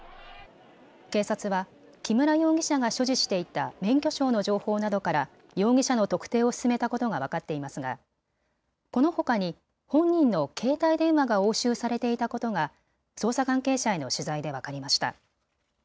警察は木村容疑者が所持していた免許証の情報などから容疑者の特定を進めたことが分かっていますがこのほかに本人の携帯電話が押収されていたことが捜査関係者への取材で分かりました。